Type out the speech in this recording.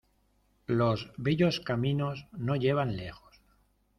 Los bellos caminos no llevan lejos.